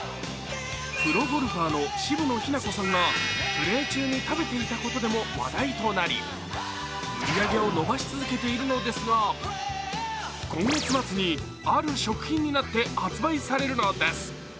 プロゴルファーの渋野日向子さんがプレー中に食べていたことでも話題となり売り上げを伸ばし続けているのですが、今月末にある食品になって発売されるのです。